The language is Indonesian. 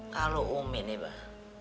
kalau umi nih bah